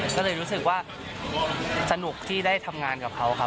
ก็เลยรู้สึกว่าสนุกที่ได้ทำงานกับเขาครับ